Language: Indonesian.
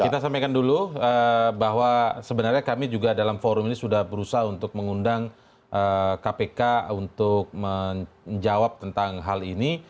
kita sampaikan dulu bahwa sebenarnya kami juga dalam forum ini sudah berusaha untuk mengundang kpk untuk menjawab tentang hal ini